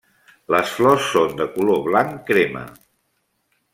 Les flors són de color blanc crema.